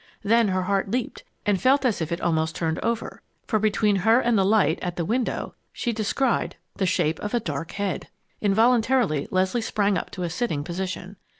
Then her heart leaped and felt as if it almost turned over for between her and the light, at the window, she descried the shape of a dark head! Involuntarily Leslie sprang up to a sitting position.